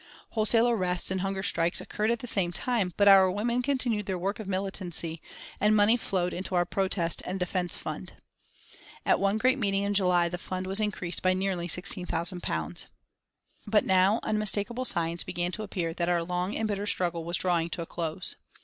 Wholesale arrests and hunger strikes occurred at the same time, but our women continued their work of militancy, and money flowed into our Protest and Defence Fund. At one great meeting in July the fund was increased by nearly £16,000. But now unmistakable signs began to appear that our long and bitter struggle was drawing to a close.